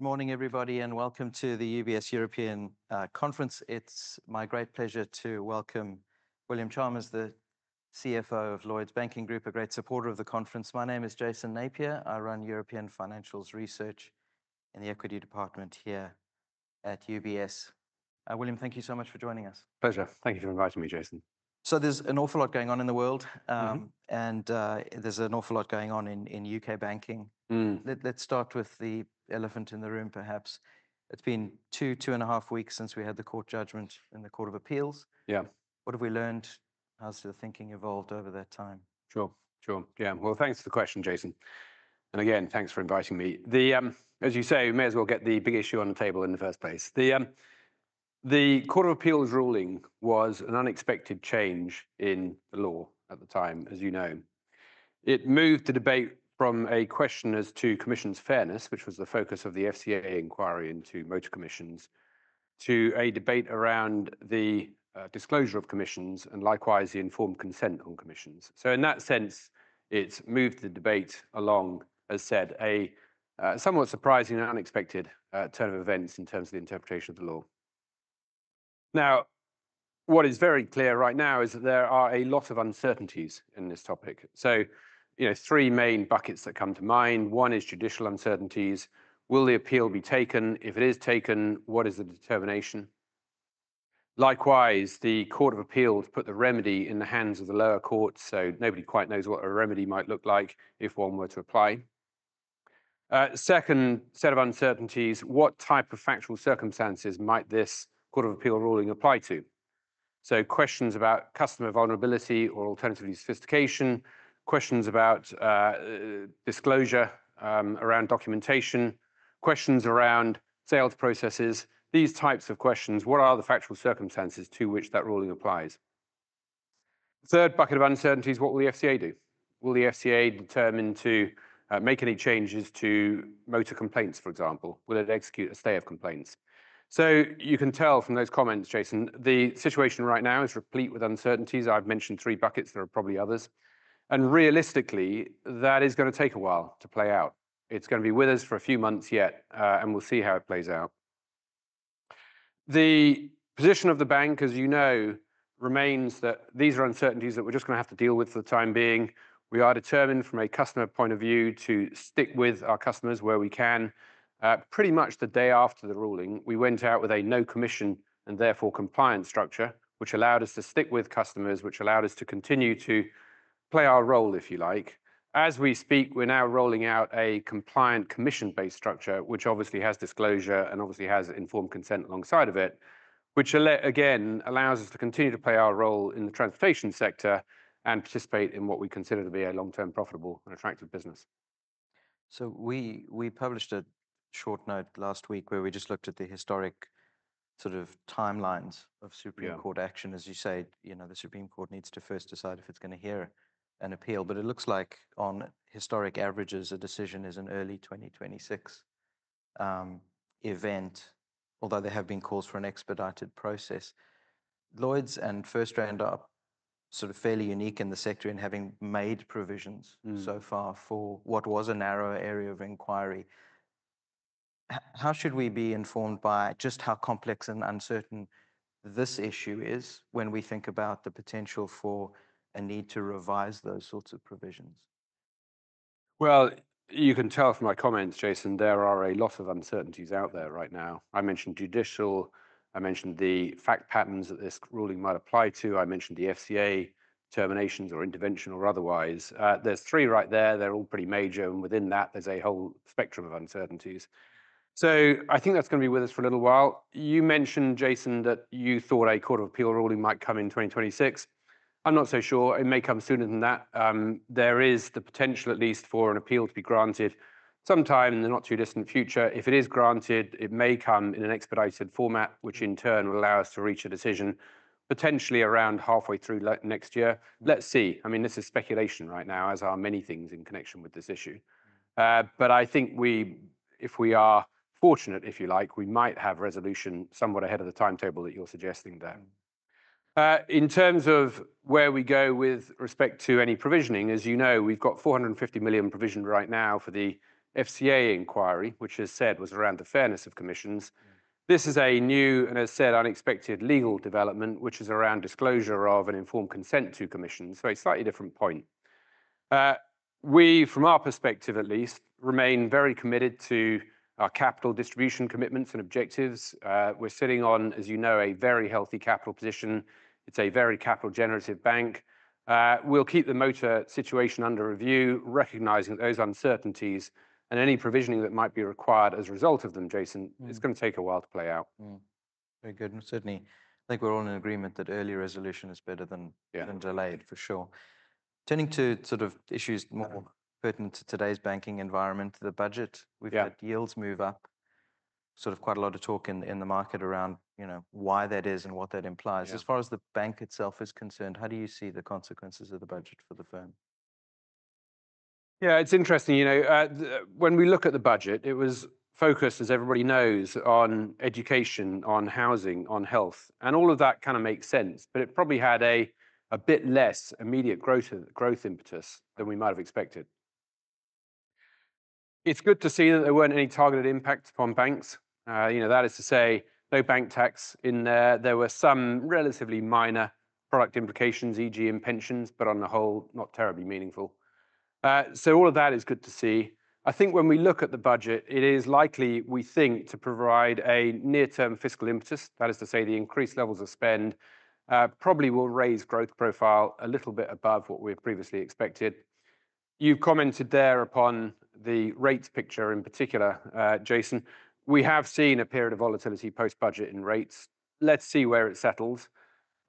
Good morning, everybody, and welcome to the UBS European Conference. It's my great pleasure to welcome William Chalmers, the CFO of Lloyds Banking Group, a great supporter of the conference. My name is Jason Napier. I run European Financials Research in the Equity Department here at UBS. William, thank you so much for joining us. Pleasure. Thank you for inviting me, Jason. There's an awful lot going on in the world, and there's an awful lot going on in U.K. banking. Let's start with the elephant in the room, perhaps. It's been two, two and a half weeks since we had the court judgment in the Court of Appeal. Yeah. What have we learned? How's the thinking evolved over that time? Sure, sure. Yeah. Well, thanks for the question, Jason, and again, thanks for inviting me. The, as you say, we may as well get the big issue on the table in the first place. The Court of Appeal's ruling was an unexpected change in the law at the time, as you know. It moved the debate from a question as to commissions fairness, which was the focus of the FCA inquiry into motor commissions, to a debate around the disclosure of commissions and likewise the informed consent on commissions. So in that sense, it's moved the debate along, as said, a somewhat surprising and unexpected turn of events in terms of the interpretation of the law. Now, what is very clear right now is that there are a lot of uncertainties in this topic. So, you know, three main buckets that come to mind. One is judicial uncertainties. Will the appeal be taken? If it is taken, what is the determination? Likewise, the Court of Appeal put the remedy in the hands of the lower courts, so nobody quite knows what a remedy might look like if one were to apply. Second set of uncertainties, what type of factual circumstances might this Court of Appeal ruling apply to? So questions about customer vulnerability or alternatively sophistication, questions about disclosure around documentation, questions around sales processes, these types of questions, what are the factual circumstances to which that ruling applies? Third bucket of uncertainties, what will the FCA do? Will the FCA determine to make any changes to motor complaints, for example? Will it execute a stay of complaints? So you can tell from those comments, Jason, the situation right now is replete with uncertainties. I've mentioned three buckets. There are probably others. Realistically, that is going to take a while to play out. It's going to be with us for a few months yet, and we'll see how it plays out. The position of the bank, as you know, remains that these are uncertainties that we're just going to have to deal with for the time being. We are determined from a customer point of view to stick with our customers where we can. Pretty much the day after the ruling, we went out with a no commission and therefore compliance structure, which allowed us to stick with customers, which allowed us to continue to play our role, if you like. As we speak, we're now rolling out a compliant commission-based structure, which obviously has disclosure and obviously has informed consent alongside of it, which again allows us to continue to play our role in the transportation sector and participate in what we consider to be a long-term profitable and attractive business. So we published a short note last week where we just looked at the historic sort of timelines of Supreme Court action. As you say, you know, the Supreme Court needs to first decide if it's going to hear an appeal. But it looks like on historic averages, a decision is an early 2026 event, although there have been calls for an expedited process. Lloyds and FirstRand are sort of fairly unique in the sector in having made provisions so far for what was a narrow area of inquiry. How should we be informed by just how complex and uncertain this issue is when we think about the potential for a need to revise those sorts of provisions? You can tell from my comments, Jason, there are a lot of uncertainties out there right now. I mentioned judicial. I mentioned the fact patterns that this ruling might apply to. I mentioned the FCA determinations or intervention or otherwise. There's three right there. They're all pretty major, and within that, there's a whole spectrum of uncertainties, so I think that's going to be with us for a little while. You mentioned, Jason, that you thought a Court of Appeal ruling might come in 2026. I'm not so sure. It may come sooner than that. There is the potential, at least, for an appeal to be granted sometime in the not too distant future. If it is granted, it may come in an expedited format, which in turn will allow us to reach a decision potentially around halfway through next year. Let's see. I mean, this is speculation right now, as are many things in connection with this issue. But I think we, if we are fortunate, if you like, we might have resolution somewhat ahead of the timetable that you're suggesting there. In terms of where we go with respect to any provisioning, as you know, we've got 450 million provisioned right now for the FCA inquiry, which, as said, was around the fairness of commissions. This is a new, and as said, unexpected legal development, which is around disclosure of an informed consent to commissions. So a slightly different point. We, from our perspective at least, remain very committed to our capital distribution commitments and objectives. We're sitting on, as you know, a very healthy capital position. It's a very capital-generative bank. We'll keep the motor situation under review, recognizing those uncertainties and any provisioning that might be required as a result of them, Jason. It's going to take a while to play out. Very good and certainly, I think we're all in agreement that early resolution is better than delayed, for sure. Turning to sort of issues more pertinent to today's banking environment, the budget. We've had yields move up, sort of quite a lot of talk in the market around, you know, why that is and what that implies. As far as the bank itself is concerned, how do you see the consequences of the budget for the firm? Yeah, it's interesting. You know, when we look at the budget, it was focused, as everybody knows, on education, on housing, on health, and all of that kind of makes sense, but it probably had a bit less immediate growth impetus than we might have expected. It's good to see that there weren't any targeted impacts upon banks. You know, that is to say, no bank tax in there. There were some relatively minor product implications, e.g., in pensions, but on the whole, not terribly meaningful, so all of that is good to see. I think when we look at the budget, it is likely, we think, to provide a near-term fiscal impetus. That is to say, the increased levels of spend probably will raise growth profile a little bit above what we've previously expected. You've commented there upon the rate picture in particular, Jason. We have seen a period of volatility post-budget in rates. Let's see where it settles.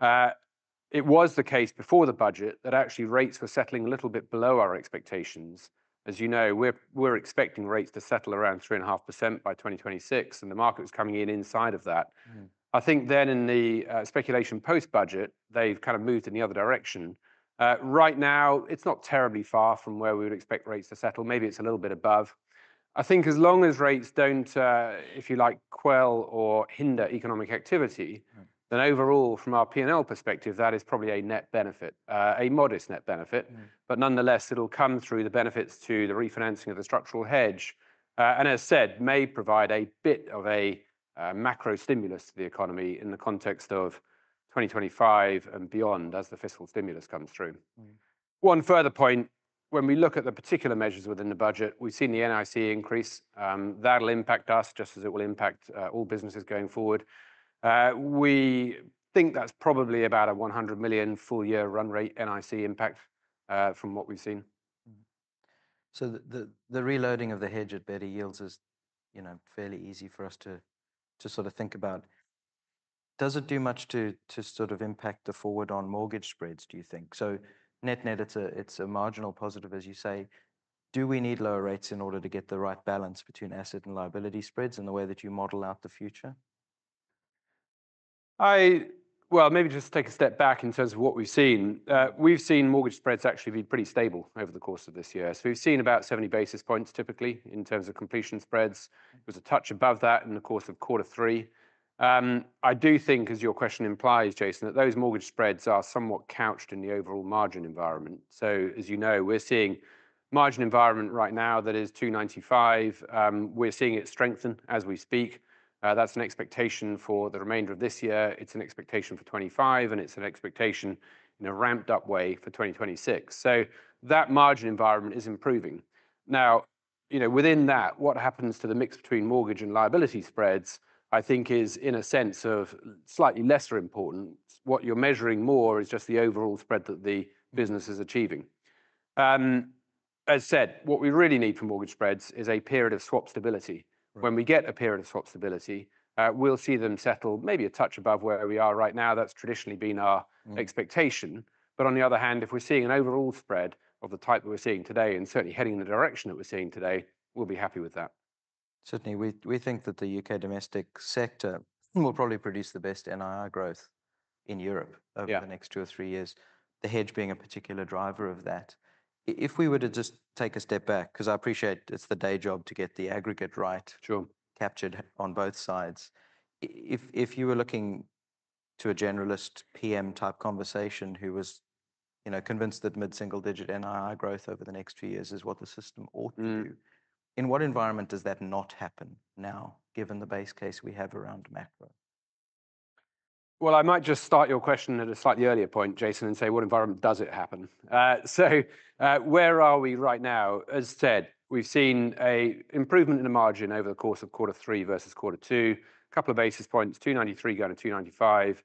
It was the case before the budget that actually rates were settling a little bit below our expectations. As you know, we're expecting rates to settle around 3.5% by 2026, and the market was coming in inside of that. I think then in the speculation post-budget, they've kind of moved in the other direction. Right now, it's not terribly far from where we would expect rates to settle. Maybe it's a little bit above. I think as long as rates don't, if you like, quell or hinder economic activity, then overall, from our P&L perspective, that is probably a net benefit, a modest net benefit. But nonetheless, it'll come through the benefits to the refinancing of the structural hedge. As said, may provide a bit of a macro stimulus to the economy in the context of 2025 and beyond as the fiscal stimulus comes through. One further point, when we look at the particular measures within the budget, we've seen the NIC increase. That'll impact us just as it will impact all businesses going forward. We think that's probably about 100 million full-year run rate NIC impact from what we've seen. So the reloading of the hedge at better yields is, you know, fairly easy for us to sort of think about. Does it do much to sort of impact the forward on mortgage spreads, do you think? So net net, it's a marginal positive, as you say. Do we need lower rates in order to get the right balance between asset and liability spreads in the way that you model out the future? Maybe just take a step back in terms of what we've seen. We've seen mortgage spreads actually be pretty stable over the course of this year. We've seen about 70 basis points typically in terms of completion spreads. It was a touch above that in the course of quarter three. I do think, as your question implies, Jason, that those mortgage spreads are somewhat couched in the overall margin environment. As you know, we're seeing a margin environment right now that is 2.95%. We're seeing it strengthen as we speak. That's an expectation for the remainder of this year. It's an expectation for 2025, and it's an expectation in a ramped-up way for 2026. That margin environment is improving. Now, you know, within that, what happens to the mix between mortgage and liability spreads, I think, is in a sense of slightly lesser importance. What you're measuring more is just the overall spread that the business is achieving. As said, what we really need for mortgage spreads is a period of swap stability. When we get a period of swap stability, we'll see them settle maybe a touch above where we are right now. That's traditionally been our expectation. But on the other hand, if we're seeing an overall spread of the type that we're seeing today and certainly heading in the direction that we're seeing today, we'll be happy with that. Certainly, we think that the U.K. domestic sector will probably produce the best NII growth in Europe over the next two or three years, the hedge being a particular driver of that. If we were to just take a step back, because I appreciate it's the day job to get the aggregate right captured on both sides. If you were looking to a generalist PM-type conversation who was, you know, convinced that mid-single-digit NII growth over the next few years is what the system ought to do, in what environment does that not happen now, given the base case we have around macro? I might just start your question at a slightly earlier point, Jason, and say, what environment does it happen? So where are we right now? As said, we've seen an improvement in the margin over the course of quarter three versus quarter two, a couple of basis points, 2.93% going to 2.95%.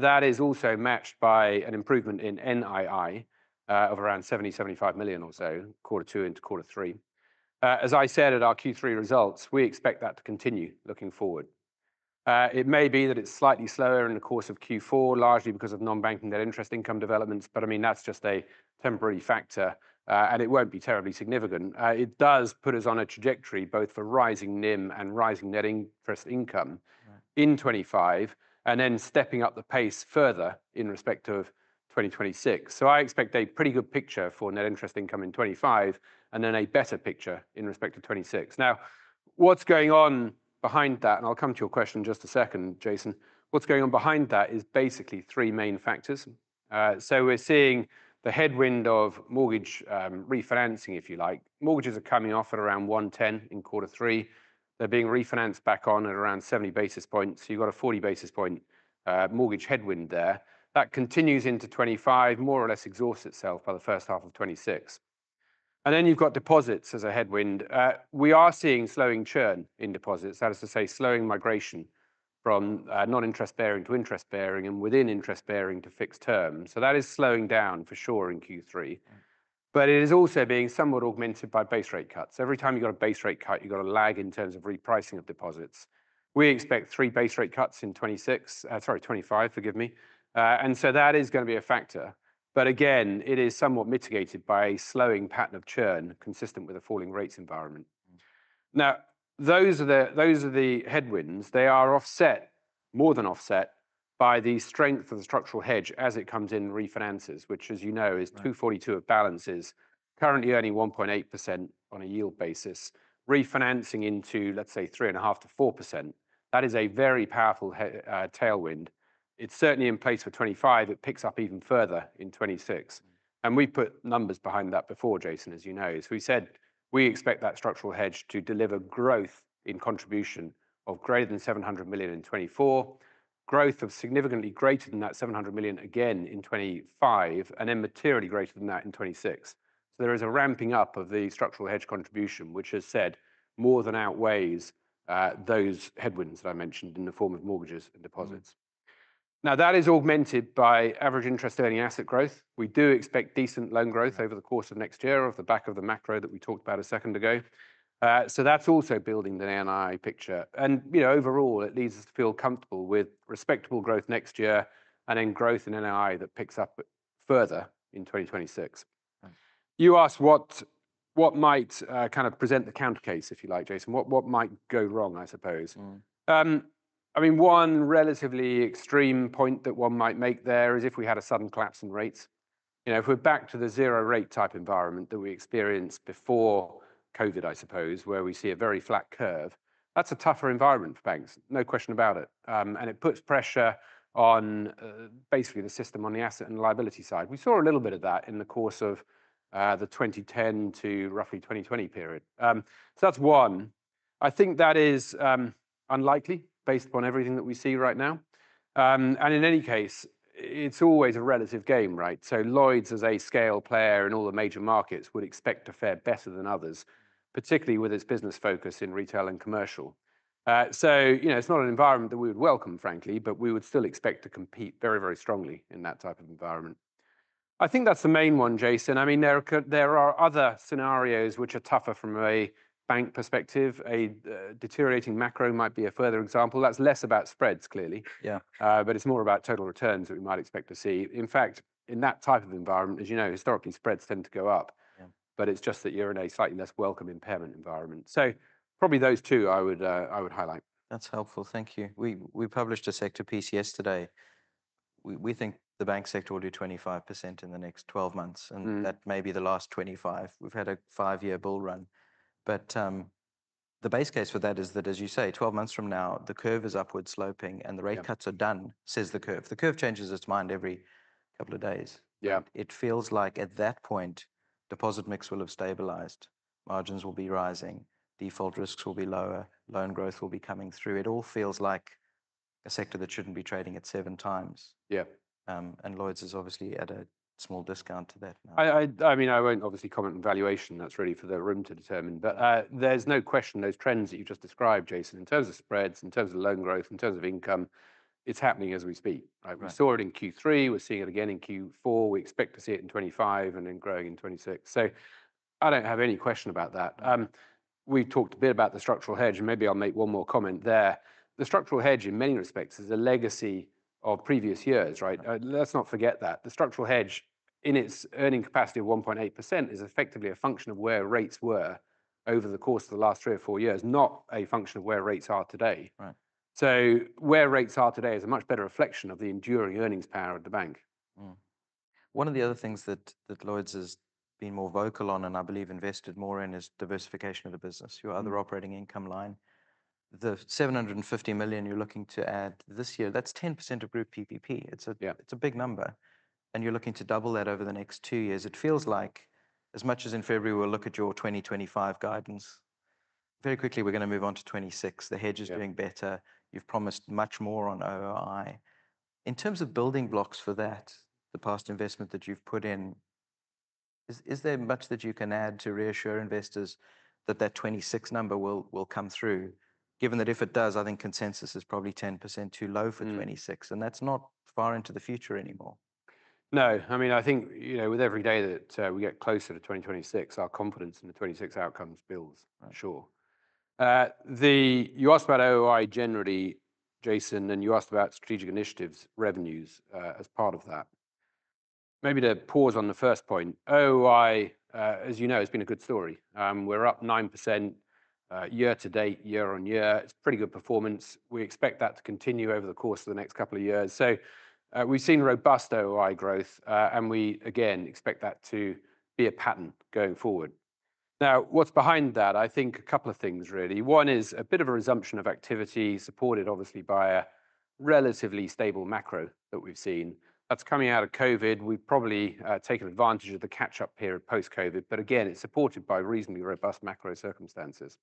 That is also matched by an improvement in NII of around 70 million to 75 million or so, quarter two into quarter three. As I said at our Q3 results, we expect that to continue looking forward. It may be that it's slightly slower in the course of Q4, largely because of non-banking net interest income developments, but I mean, that's just a temporary factor, and it won't be terribly significant. It does put us on a trajectory both for rising NIM and rising net interest income in 2025, and then stepping up the pace further in respect of 2026. So I expect a pretty good picture for net interest income in 2025, and then a better picture in respect of 2026. Now, what's going on behind that, and I'll come to your question in just a second, Jason, what's going on behind that is basically three main factors. So we're seeing the headwind of mortgage refinancing, if you like. Mortgages are coming off at around 110 in quarter three. They're being refinanced back on at around 70 basis points. So you've got a 40 basis point mortgage headwind there. That continues into 2025, more or less exhausts itself by the first half of 2026. And then you've got deposits as a headwind. We are seeing slowing churn in deposits. That is to say, slowing migration from non-interest bearing to interest bearing and within interest bearing to fixed term, so that is slowing down for sure in Q3, but it is also being somewhat augmented by base rate cuts. Every time you've got a base rate cut, you've got a lag in terms of repricing of deposits. We expect three base rate cuts in 2026, sorry, 2025, forgive me, and so that is going to be a factor, but again, it is somewhat mitigated by a slowing pattern of churn consistent with a falling rates environment. Now, those are the headwinds. They are offset, more than offset, by the strength of the structural hedge as it comes in refinances, which, as you know, is 24% of balances, currently earning 1.8% on a yield basis, refinancing into, let's say, 3.5%-4%. That is a very powerful tailwind. It's certainly in place for 2025. It picks up even further in 2026, and we've put numbers behind that before, Jason, as you know, so we said we expect that structural hedge to deliver growth in contribution of greater than 700 million in 2024, growth of significantly greater than that 700 million again in 2025, and then materially greater than that in 2026. So there is a ramping up of the structural hedge contribution, which, as said, more than outweighs those headwinds that I mentioned in the form of mortgages and deposits. Now, that is augmented by average interest earning asset growth. We do expect decent loan growth over the course of next year off the back of the macro that we talked about a second ago, so that's also building the NII picture. You know, overall, it leads us to feel comfortable with respectable growth next year and then growth in NII that picks up further in 2026. You asked what might kind of present the countercase, if you like, Jason. What might go wrong, I suppose? I mean, one relatively extreme point that one might make there is if we had a sudden collapse in rates. You know, if we're back to the zero rate type environment that we experienced before COVID, I suppose, where we see a very flat curve, that's a tougher environment for banks, no question about it. And it puts pressure on basically the system on the asset and liability side. We saw a little bit of that in the course of the 2010 to roughly 2020 period. So that's one. I think that is unlikely based upon everything that we see right now. In any case, it's always a relative game, right? Lloyds, as a scale player in all the major markets, would expect to fare better than others, particularly with its business focus in retail and commercial. You know, it's not an environment that we would welcome, frankly, but we would still expect to compete very, very strongly in that type of environment. I think that's the main one, Jason. I mean, there are other scenarios which are tougher from a bank perspective. A deteriorating macro might be a further example. That's less about spreads, clearly. Yeah, but it's more about total returns that we might expect to see. In fact, in that type of environment, as you know, historically, spreads tend to go up. But it's just that you're in a slightly less welcome impairment environment. Probably those two I would highlight. That's helpful. Thank you. We published a sector piece yesterday. We think the bank sector will do 25% in the next 12 months, and that may be the last 25%. We've had a five-year bull run. But the base case for that is that, as you say, 12 months from now, the curve is upward sloping and the rate cuts are done, says the curve. The curve changes its mind every couple of days. Yeah, it feels like at that point, deposit mix will have stabilized, margins will be rising, default risks will be lower, loan growth will be coming through. It all feels like a sector that shouldn't be trading at seven times. Yeah, and Lloyds is obviously at a small discount to that now. I mean, I won't obviously comment on valuation. That's really for the room to determine. But there's no question those trends that you've just described, Jason, in terms of spreads, in terms of loan growth, in terms of income, it's happening as we speak. We saw it in Q3. We're seeing it again in Q4. We expect to see it in 2025 and then growing in 2026. So I don't have any question about that. We've talked a bit about the structural hedge, and maybe I'll make one more comment there. The structural hedge, in many respects, is a legacy of previous years, right? Let's not forget that. The structural hedge, in its earning capacity of 1.8%, is effectively a function of where rates were over the course of the last three or four years, not a function of where rates are today. Where rates are today is a much better reflection of the enduring earnings power of the bank. One of the other things that Lloyds has been more vocal on, and I believe invested more in, is diversification of the business, your other operating income line. The 750 million you're looking to add this year, that's 10% of group PPP. It's a big number, and you're looking to double that over the next two years. It feels like, as much as in February, we'll look at your 2025 guidance, very quickly we're going to move on to 2026. The hedge is doing better. You've promised much more on OOI. In terms of building blocks for that, the past investment that you've put in, is there much that you can add to reassure investors that that 2026 number will come through? Given that if it does, I think consensus is probably 10% too low for 2026, and that's not far into the future anymore. No. I mean, I think, you know, with every day that we get closer to 2026, our confidence in the 26 outcomes builds, I'm sure. You asked about OOI generally, Jason, and you asked about strategic initiatives, revenues as part of that. Maybe to pause on the first point, OOI, as you know, has been a good story. We're up 9% year to date, year-on-year. It's pretty good performance. We expect that to continue over the course of the next couple of years. So we've seen robust OOI growth, and we, again, expect that to be a pattern going forward. Now, what's behind that? I think a couple of things, really. One is a bit of a resumption of activity supported, obviously, by a relatively stable macro that we've seen. That's coming out of COVID. We've probably taken advantage of the catch-up period post-COVID, but again, it's supported by reasonably robust macro circumstances.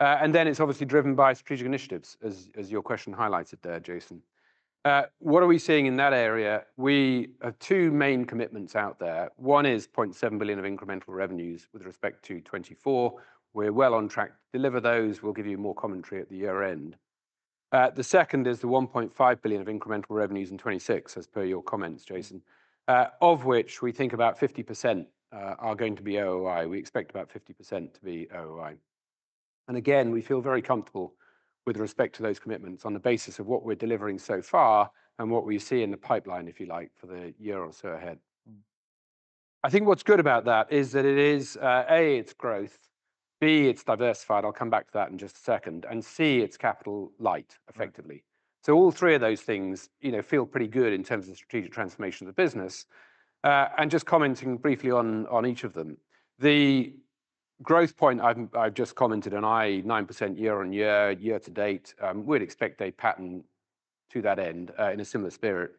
And then it's obviously driven by strategic initiatives, as your question highlighted there, Jason. What are we seeing in that area? We have two main commitments out there. One is 0.7 billion of incremental revenues with respect to 2024. We're well on track to deliver those. We'll give you more commentary at the year end. The second is the 1.5 billion of incremental revenues in 2026, as per your comments, Jason, of which we think about 50% are going to be OOI. We expect about 50% to be OOI. And again, we feel very comfortable with respect to those commitments on the basis of what we're delivering so far and what we see in the pipeline, if you like, for the year or so ahead. I think what's good about that is that it is, A, it's growth, B, it's diversified. I'll come back to that in just a second, and C, it's capital light, effectively. So all three of those things, you know, feel pretty good in terms of the strategic transformation of the business. And just commenting briefly on each of them, the growth point I've just commented on, it's 9% year-on-year, year to date, we'd expect a pattern to that end in a similar spirit.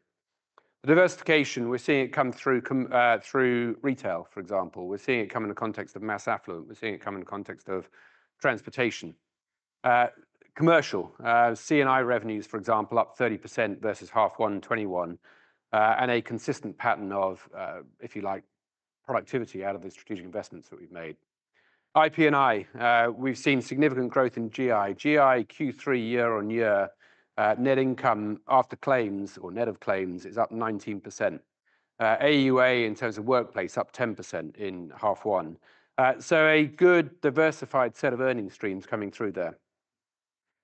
The diversification, we're seeing it come through retail, for example. We're seeing it come in the context of mass affluent. We're seeing it come in the context of transportation. Commercial, C&I revenues, for example, up 30% versus H1 2021, and a consistent pattern of, if you like, productivity out of the strategic investments that we've made. IP&I, we've seen significant growth in GI. GI, Q3 year-on-year, net income after claims or net of claims is up 19%. AUA in terms of workplace, up 10% in H1. So a good diversified set of earnings streams coming through there.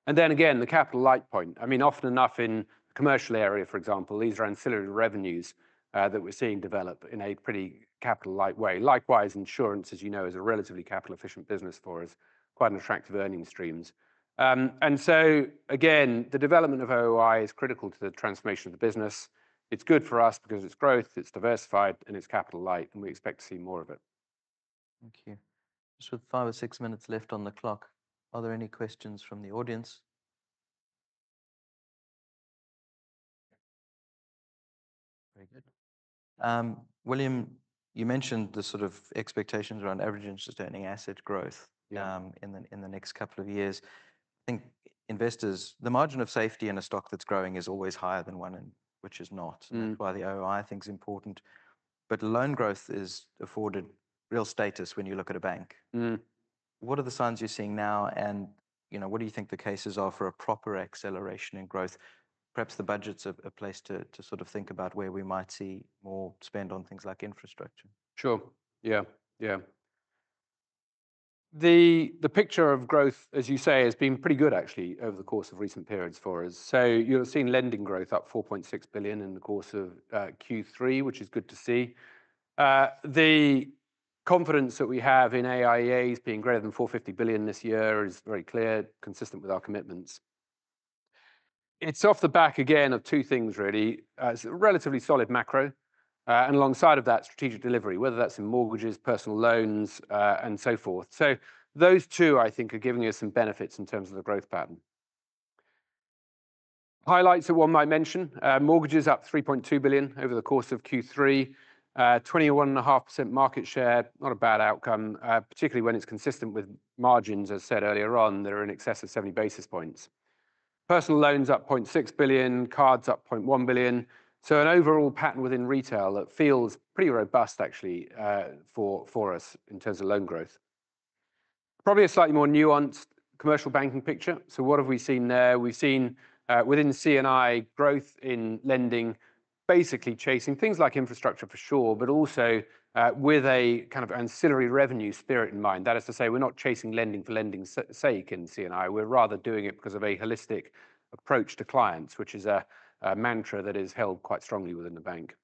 And then again, the capital light point. I mean, often enough in the commercial area, for example, these are ancillary revenues that we're seeing develop in a pretty capital light way. Likewise, insurance, as you know, is a relatively capital efficient business for us, quite an attractive earnings streams. And so again, the development of OOI is critical to the transformation of the business. It's good for us because it's growth, it's diversified, and it's capital light, and we expect to see more of it. Thank you. Just with five or six minutes left on the clock, are there any questions from the audience? Very good. William, you mentioned the sort of expectations around average interest-earning asset growth in the next couple of years. I think investors, the margin of safety in a stock that's growing is always higher than one, which is not. That's why the OOI I think is important. But loan growth has afforded real status when you look at a bank. What are the signs you're seeing now, and you know, what do you think the cases are for a proper acceleration in growth? Perhaps the budget's a place to sort of think about where we might see more spend on things like infrastructure. Sure. Yeah, yeah. The picture of growth, as you say, has been pretty good, actually, over the course of recent periods for us. So you've seen lending growth up 4.6 billion in the course of Q3, which is good to see. The confidence that we have in AIEAs being greater than 450 billion this year is very clear, consistent with our commitments. It's off the back again of two things, really. It's a relatively solid macro. And alongside of that, strategic delivery, whether that's in mortgages, personal loans, and so forth. So those two, I think, are giving us some benefits in terms of the growth pattern. Highlights that one might mention. Mortgages up 3.2 billion over the course of Q3. 21.5% market share, not a bad outcome, particularly when it's consistent with margins, as said earlier on, that are in excess of 70 basis points. Personal loans up 0.6 billion, cards up 0.1 billion. So an overall pattern within retail that feels pretty robust, actually, for us in terms of loan growth. Probably a slightly more nuanced commercial banking picture. So what have we seen there? We've seen within C&I growth in lending, basically chasing things like infrastructure for sure, but also with a kind of ancillary revenue spirit in mind. That is to say, we're not chasing lending for lending's sake in C&I. We're rather doing it because of a holistic approach to clients, which is a mantra that is held quite strongly within the bank.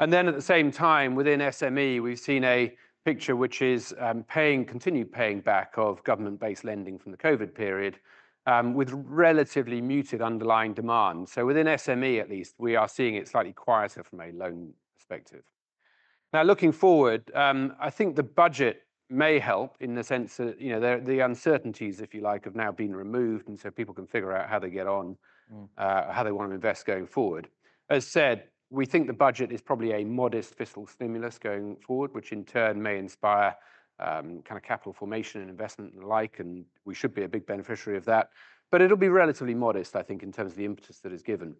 And then at the same time, within SME, we've seen a picture which is continued paying back of government-based lending from the COVID period with relatively muted underlying demand. So within SME, at least, we are seeing it slightly quieter from a loan perspective. Now, looking forward, I think the budget may help in the sense that, you know, the uncertainties, if you like, have now been removed, and so people can figure out how they get on, how they want to invest going forward. As said, we think the budget is probably a modest fiscal stimulus going forward, which in turn may inspire kind of capital formation and investment and the like, and we should be a big beneficiary of that. But it'll be relatively modest, I think, in terms of the impetus that is given.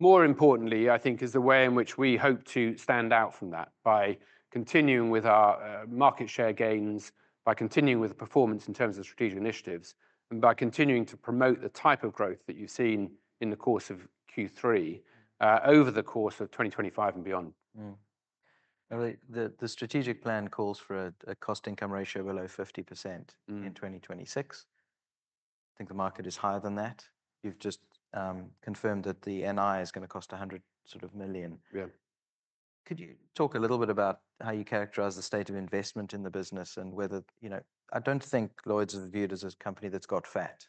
More importantly, I think, is the way in which we hope to stand out from that by continuing with our market share gains, by continuing with the performance in terms of strategic initiatives, and by continuing to promote the type of growth that you've seen in the course of Q3 over the course of 2025 and beyond. The strategic plan calls for a cost-income ratio below 50% in 2026. I think the market is higher than that. You've just confirmed that the NI is going to cost 100 sort of million. Yeah. Could you talk a little bit about how you characterize the state of investment in the business and whether, you know, I don't think Lloyds is viewed as a company that's got fat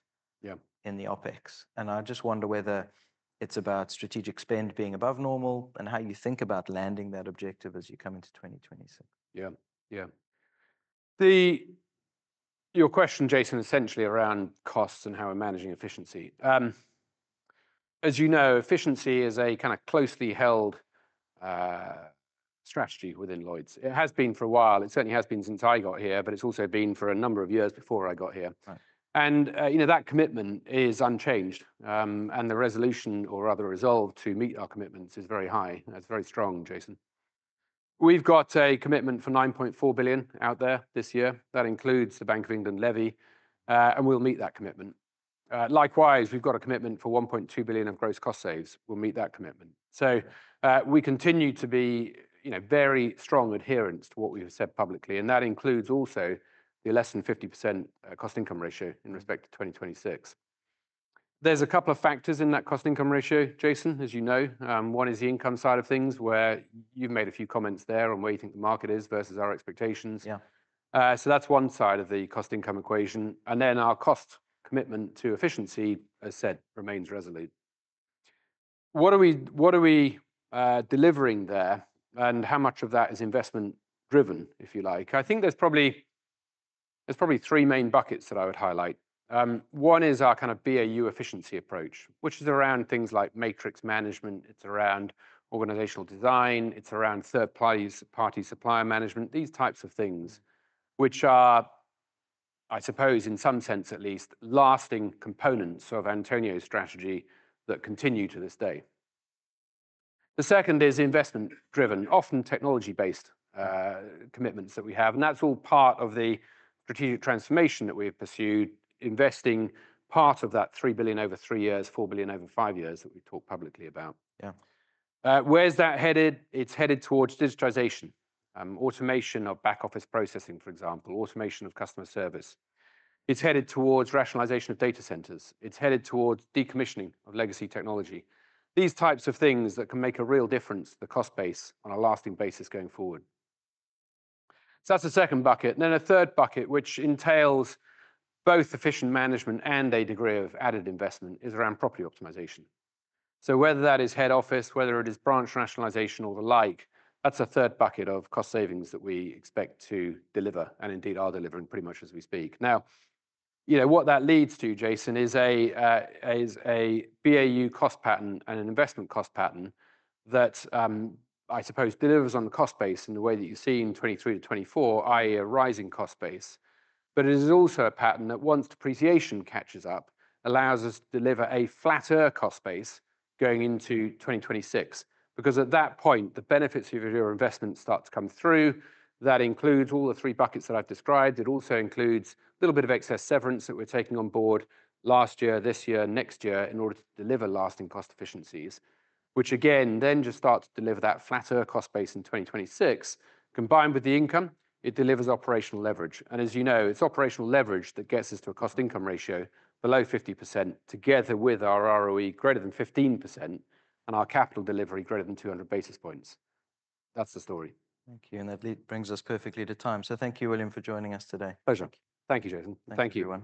in the OpEx. And I just wonder whether it's about strategic spend being above normal and how you think about landing that objective as you come into 2026. Yeah, yeah. Your question, Jason, essentially around costs and how we're managing efficiency. As you know, efficiency is a kind of closely held strategy within Lloyds. It has been for a while. It certainly has been since I got here, but it's also been for a number of years before I got here, and you know, that commitment is unchanged. And the resolution or rather resolve to meet our commitments is very high. It's very strong, Jason. We've got a commitment for 9.4 billion out there this year. That includes the Bank of England levy, and we'll meet that commitment. Likewise, we've got a commitment for 1.2 billion of gross cost saves. We'll meet that commitment, so we continue to be, you know, very strong adherents to what we've said publicly, and that includes also the less than 50% cost-income ratio in respect to 2026. There's a couple of factors in that cost-income ratio, Jason, as you know. One is the income side of things where you've made a few comments there on where you think the market is versus our expectations. Yeah, so that's one side of the cost-income equation, and then our cost commitment to efficiency, as said, remains resolute. What are we delivering there, and how much of that is investment-driven, if you like? I think there's probably three main buckets that I would highlight. One is our kind of BAU efficiency approach, which is around things like matrix management. It's around organizational design. It's around third-party supplier management, these types of things, which are, I suppose, in some sense at least, lasting components of Antonio's strategy that continue to this day. The second is investment-driven, often technology-based commitments that we have. That's all part of the strategic transformation that we've pursued, investing part of that 3 billion over three years, 4 billion over five years that we talk publicly about. Yeah, where's that headed? It's headed towards digitization, automation of back-office processing, for example, automation of customer service. It's headed towards rationalization of data centers. It's headed towards decommissioning of legacy technology. These types of things that can make a real difference, the cost base on a lasting basis going forward. That's the second bucket. Then a third bucket, which entails both efficient management and a degree of added investment, is around property optimization. Whether that is head office, whether it is branch rationalization or the like, that's a third bucket of cost savings that we expect to deliver and indeed are delivering pretty much as we speak. Now, you know, what that leads to, Jason, is a BAU cost pattern and an investment cost pattern that, I suppose, delivers on the cost base in the way that you see in 2023 to 2024, i.e., a rising cost base. But it is also a pattern that once depreciation catches up, allows us to deliver a flatter cost base going into 2026. Because at that point, the benefits of your investment start to come through. That includes all the three buckets that I've described. It also includes a little bit of excess severance that we're taking on board last year, this year, next year in order to deliver lasting cost efficiencies, which again, then just starts to deliver that flatter cost base in 2026. Combined with the income, it delivers operational leverage. As you know, it's operational leverage that gets us to a cost-income ratio below 50% together with our ROE greater than 15% and our capital delivery greater than 200 basis points. That's the story. Thank you. And that brings us perfectly to time. So thank you, William, for joining us today. Pleasure. Thank you, Jason. Thank you.